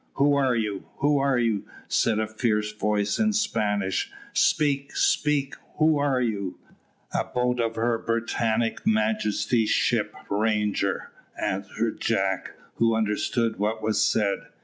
"Who are you? who are you?" said a fierce voice in Spanish. "Speak, speak, who are you?" "A boat of her Britannic Majesty's ship Ranger," answered Jack, who understood what was said.